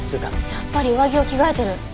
やっぱり上着を着替えてる。